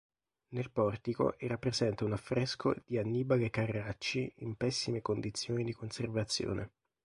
Nel portico era presente un affresco di Annibale Carracci in pessime condizioni di conservazione.